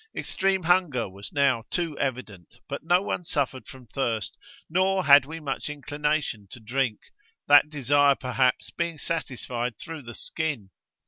Extreme hunger was now too evident, but no one suffered from thirst, nor had we much inclination to drink, that desire perhaps being satisfied through the skin.